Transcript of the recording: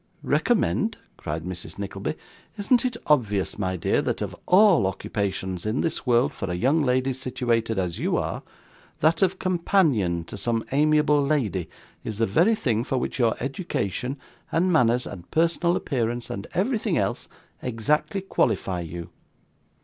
'Recommend!' cried Mrs. Nickleby, 'isn't it obvious, my dear, that of all occupations in this world for a young lady situated as you are, that of companion to some amiable lady is the very thing for which your education, and manners, and personal appearance, and everything else, exactly qualify you?